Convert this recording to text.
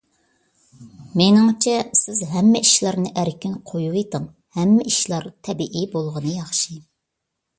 مېنىڭچە، سىز ھەممە ئىشلارنى ئەركىن قويۇۋېتىڭ. ھەممە ئىشلار تەبىئىي بولغىنى ياخشى.